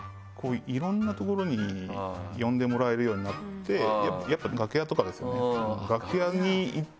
いろんなところに呼んでもらえるようになってやっぱ楽屋とかですよね楽屋に行って。